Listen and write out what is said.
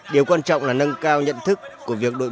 điều quan trọng là nâng cao nhận thức của việc đối tượng